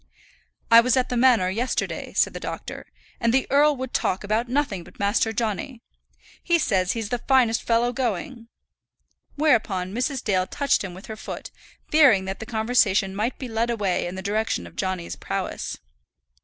"I was at the manor, yesterday," said the doctor, "and the earl would talk about nothing but Master Johnny. He says he's the finest fellow going." Whereupon Mrs. Dale touched him with her foot, fearing that the conversation might be led away in the direction of Johnny's prowess.